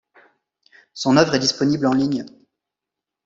Son œuvre est disponible en ligne.